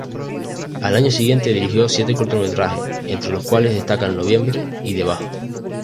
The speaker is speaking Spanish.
Al año siguiente dirigió siete cortometrajes, entre los cuales destacan "Noviembre" y "Debajo".